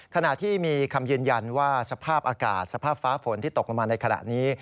ขณะที่มีคำยืนยันว่าสภาพอากาศสภาพฟ้าฝนที่ตกลงมาในขณะนี้